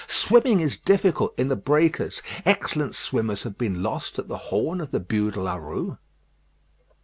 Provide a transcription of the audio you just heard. Swimming is difficult in the breakers: excellent swimmers have been lost at the Horn of the Bû de la Rue.